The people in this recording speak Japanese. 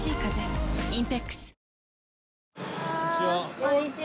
こんにちは。